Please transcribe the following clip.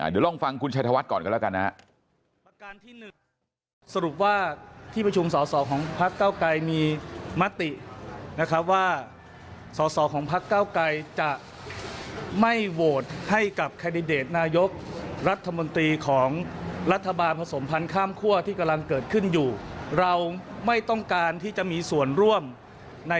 เดี๋ยวลองฟังคุณชัยธวัฒน์ก่อนกันแล้วกันนะครับ